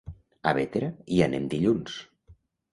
A Bétera hi anem dilluns.